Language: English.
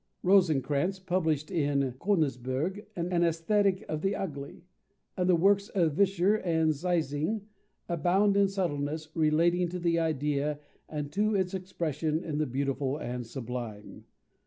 Rosenkranz published in Königsberg an Aesthetic of the Ugly, and the works of Vischer and Zeising abound in subtleties relating to the Idea and to its expression in the beautiful and sublime.